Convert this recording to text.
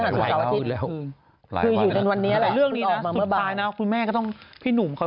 พี่แม่ต้องระวังต่อการด่าพี่หนุ่มกัน